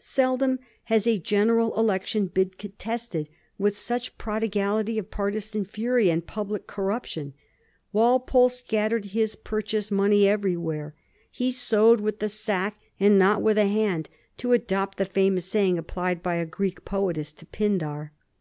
Seldom has a general election been contested with such a prodigality of partisan fury and public corruption. Walpole scattered his purchase money everywhere; he sowed with the sack and not with the hand, to adopt the famous saying applied by a Greek poetess to Pindar.